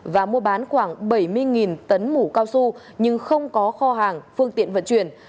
và mua bán khoảng bảy mươi tấn mũ cao su nhưng không có kho hàng phương tiện vận chuyển